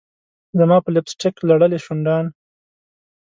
زما په لپ سټک لړلي شونډان